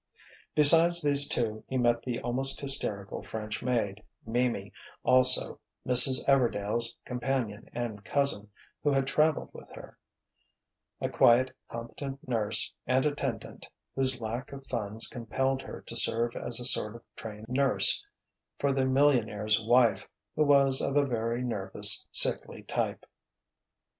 Besides these two he met the almost hysterical French maid, Mimi, also Mrs. Everdail's companion and cousin, who had traveled with her, a quiet, competent nurse and attendant whose lack of funds compelled her to serve as a sort of trained nurse for the millionaire's wife, who was of a very nervous, sickly type.